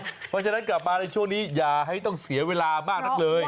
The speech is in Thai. เพราะฉะนั้นกลับมาในช่วงนี้อย่าให้ต้องเสียเวลามากนักเลย